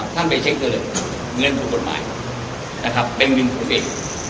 ท่านไปเช็คเถอะเลยเงินคนกฎหมายเป็นเงินคนเอง